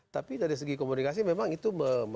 tapi dari segi komunikasi memang itu